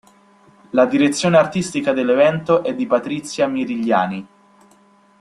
La direzione artistica dell'evento è di Patrizia Mirigliani.